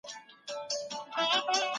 ټولنيز نظم تر ګډوډۍ ښه دی.